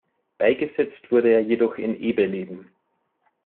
Beigesetzt wurde er jedoch in Ebeleben.